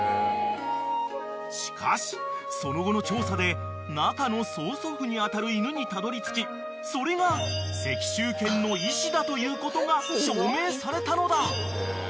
［しかしその後の調査で中の曽祖父に当たる犬にたどりつきそれが石州犬の石だということが証明されたのだ］